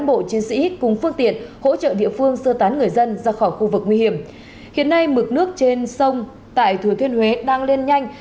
bộ chiến sĩ cùng phương tiện hỗ trợ địa phương sơ tán người dân ra khỏi khu vực nguy hiểm hiện nay mực nước trên sông tại thừa thiên huế đang lên nhanh